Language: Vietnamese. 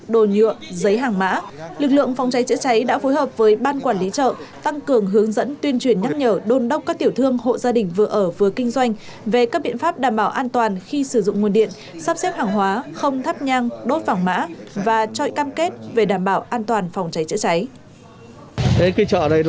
đồ nhựa giấy hàng mã lực lượng phòng cháy chữa cháy đã phối hợp với ban quản lý chợ tăng cường hướng dẫn tuyên truyền nhắc nhở đôn đốc các tiểu thương hộ gia đình vừa ở vừa kinh doanh về các biện pháp đảm bảo an toàn khi sử dụng nguồn điện sắp xếp hàng hóa không thắp nhang đốt vàng mã và cho cam kết về đảm bảo an toàn phòng cháy chữa cháy